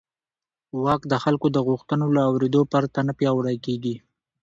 واک د خلکو د غوښتنو له اورېدو پرته نه پیاوړی کېږي.